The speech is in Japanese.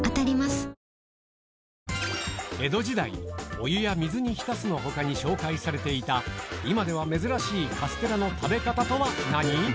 「お湯や水に浸す」の他に紹介されていた今では珍しいカステラの食べ方とは何？